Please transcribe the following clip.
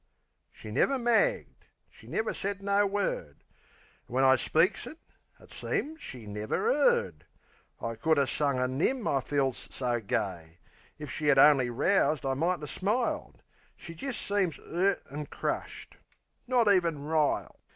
She never magged; she never said no word. An' when I speaks, it seems she never 'eard. I could 'a' sung a nim, I feels so gay! If she 'ad only roused I might 'a' smiled. She jist seems 'urt an' crushed; not even riled.